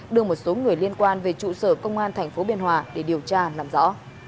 đưa một số người liên quan về trụ sở công an tp biên hòa để điều tra làm rõ